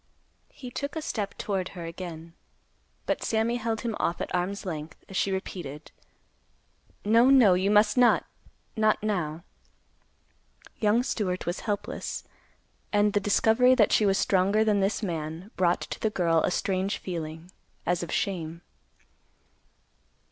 He took a step toward her again, but Sammy held him off at arm's length, as she repeated, "No—no—you must not; not now." Young Stewart was helpless. And the discovery that she was stronger than this man brought to the girl a strange feeling, as of shame.